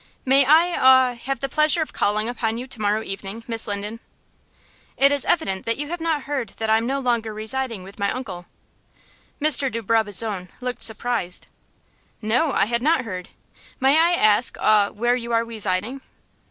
"May I aw have the pleasure of calling upon you to morrow evening, Miss Linden?" "It is evident that you have not heard that I am no longer residing with my uncle." Mr. de Brabazon looked surprised. "No, I had not heard. May I ask aw where you are wesiding?"